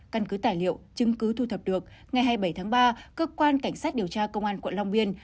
căn cứ tài liệu chứng cứ thu thập được ngày hai mươi bảy tháng ba cơ quan cảnh sát điều tra công an quận long biên